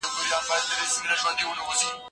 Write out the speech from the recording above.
د کلي د پولو جګړه ډېره خطرناکه وه.